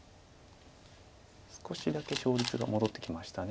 少しだけ勝率が戻ってきました。